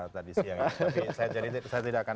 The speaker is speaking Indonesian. tadi siang tapi saya tidak akan